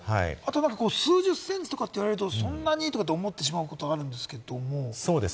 数十センチって言われるとそんなにと思ってしまうんですけれど。